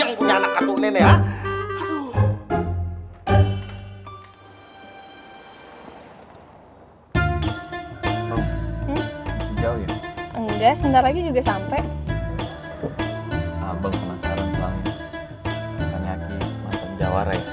enggak sebentar lagi juga sampai abang penasaran soalnya